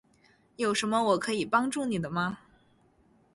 有什么我可以帮助你的吗？